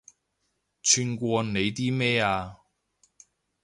串過你啲咩啊